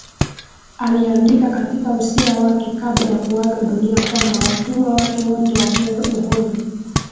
Aliandika katika usia wake kabla ya kuaga dunia kwamba watumwa wake wote wapewe uhuru